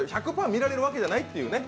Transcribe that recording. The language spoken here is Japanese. １００％見られるわけじゃないというね。